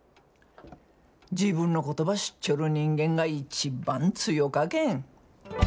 自分のことばしっちょる人間が一番強かけん。